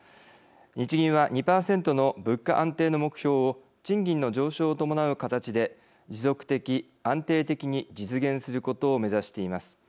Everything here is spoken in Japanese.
日銀は２％の物価安定の目標を賃金の上昇を伴う形で持続的安定的に実現することを目指しています。